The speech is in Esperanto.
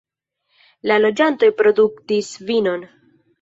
La loĝantoj produktis vinon.